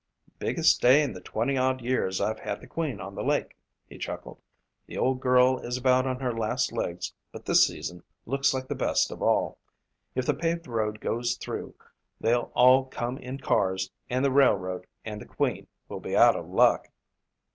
"Biggest day in the twenty odd years I've had the Queen on the lake," he chuckled. "The old girl is about on her last legs but this season looks like the best of all. If the paved road goes through they'll all come in cars and the railroad and the Queen will be out of luck."